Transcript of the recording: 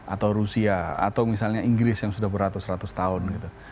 atau rusia atau misalnya inggris yang sudah beratus ratus tahun gitu